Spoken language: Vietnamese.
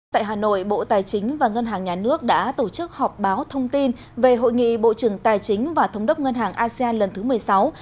tại hà nội bộ tài chính và ngân hàng nhà nước đã tổ chức họp báo thông tin về hội nghị bộ trưởng tài chính và thống đốc ngân hàng asean lần thứ một mươi sáu